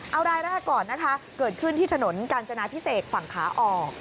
เอารายแรกก่อนนะคะเกิดขึ้นที่ถนนกาญจนาพิเศษฝั่งขาออก